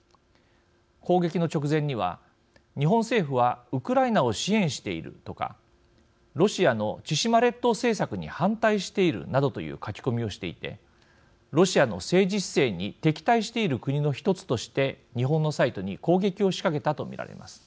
攻撃の直前には「日本政府はウクライナを支援している」とか「ロシアの千島列島政策に反対している」などという書き込みをしていてロシアの政治姿勢に敵対している国の１つとして日本のサイトに攻撃を仕掛けたと見られます。